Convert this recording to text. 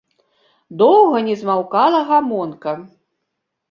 Доўга не змаўкала гамонка.